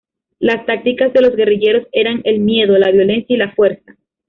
Las tácticas de los guerrilleros eran el miedo, la violencia y la fuerza.